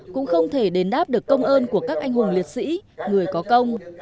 cũng không thể đền đáp được công ơn của các anh hùng liệt sĩ người có công